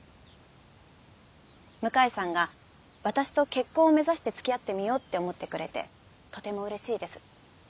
向井さんが私と結婚を目指して付き合ってみようって思ってくれてとてもうれしいです。